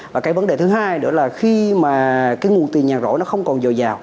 và cái vấn đề thứ hai nữa là khi mà cái nguồn tiền nhà rỗ nó không còn dồi dào